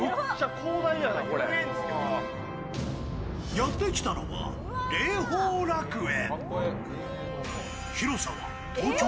やって来たのは麗宝楽園。